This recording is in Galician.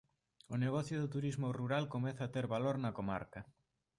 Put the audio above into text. O negocio do turismo rural comeza a ter valor na comarca.